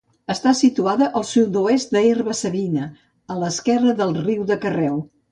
Està situada al sud-oest d'Herba-savina, a l'esquerra del riu de Carreu.